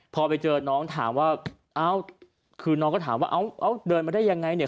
พอไปเจอน้องถามว่าเอ้าคือน้องก็ถามว่าเอาเดินมาได้ยังไงเนี่ย